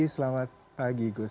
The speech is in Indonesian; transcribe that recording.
selamat pagi gus